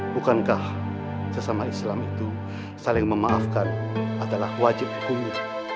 bukankah sesama islam itu saling memaafkan adalah wajib hukumnya